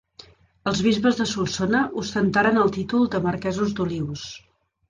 Els bisbes de Solsona ostentaren el títol de marquesos d'Olius.